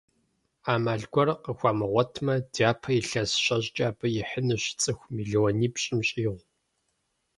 Ӏэмал гуэр къыхуамыгъуэтмэ, дяпэ илъэс щэщӀкӀэ абы ихьынущ цӏыху мелуанипщӀым щӀигъу.